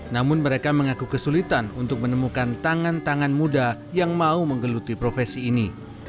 namun mereka mengaku kesulitan untuk menemukan tangan tangan muda yang mau menggeluti profesi ini